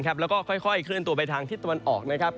แล้วก็ค่อยเคลื่อนตัวไปทางทิศตะวันออกนะครับ